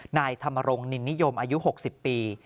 นายธรรมรงค์นินนิยมอายุ๖๐ปี